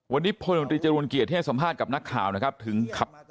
วันนี้พลตรีจรูลเกียรติให้สัมภาษณ์กับนักข่าวนะครับถึงขับ